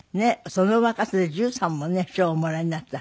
その若さで１３もね賞をおもらいになった。